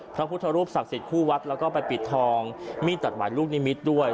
พระพุทธรูปศักดิ์สิทธิคู่วัดแล้วก็ไปปิดทองมีดตัดหมายลูกนิมิตรด้วย